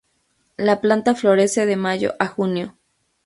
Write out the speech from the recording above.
La planta florece de mayo a junio.